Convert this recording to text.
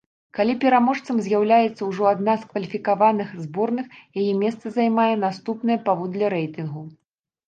Калі пераможцам з'яўляецца ўжо адна з кваліфікаваных зборных, яе месца займае наступная паводле рэйтынгу.